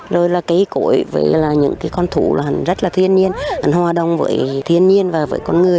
rồi là cái cổi với những con thú rất là thiên nhiên hòa đồng với thiên nhiên và với con người